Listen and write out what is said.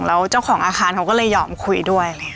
แล้วเจ้าของอาคารเขาก็เลยยอมคุยด้วย